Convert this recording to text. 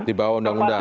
di bawah undang undang